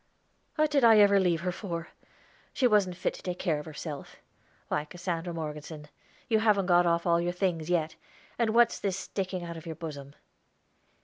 "What did I ever leave her for? She wasn't fit to take care of herself. Why, Cassandra Morgeson, you haven't got off all your things yet. And what's this sticking out of your bosom?"